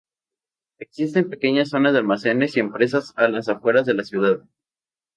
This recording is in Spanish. Existen pequeñas zonas de almacenes y empresas a las afueras de la ciudad.